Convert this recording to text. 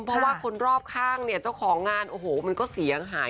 เพราะว่าคนรอบข้างเนี่ยเจ้าของงานโอ้โหมันก็เสียหาย